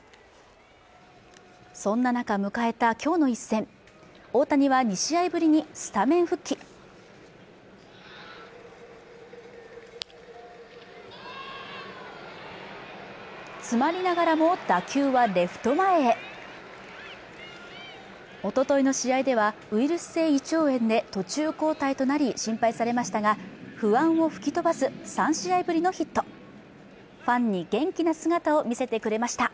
そんな中迎えた今日の一戦大谷は２試合ぶりにスタメン復帰詰まりながらも打球はレフト前へおとといの試合ではウイルス性胃腸炎で途中交代となり心配されましたが不安を吹き飛ばす３試合ぶりのヒットファンに元気な姿を見せてくれました